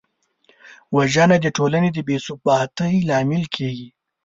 وژنه د ټولنې د بېثباتۍ لامل کېږي